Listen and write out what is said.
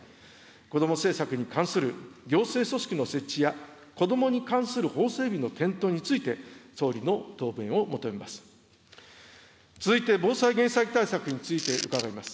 子ども政策に関する行政組織の設置や、子どもに関する法整備の検討について、総理の答弁を求めます。